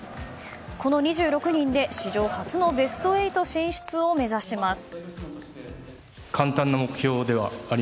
この２６人で、史上初のベスト８進出を目指します。